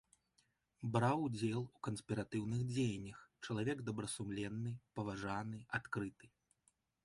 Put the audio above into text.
Браў удзел у канспіратыўных дзеяннях, чалавек добрасумленны, паважаны, адкрыты.